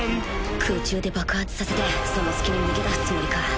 空中で爆発させてその隙に逃げ出すつもりか